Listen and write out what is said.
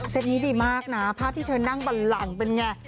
นี้ดีมากนะภาพที่เธอนั่งบันหลังเป็นไง